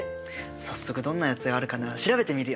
早速どんなやつがあるかな調べてみるよ。